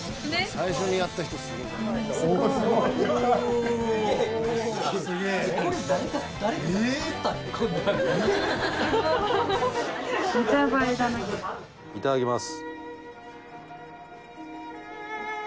「最初にやった人すごい」「すごい」いただきます。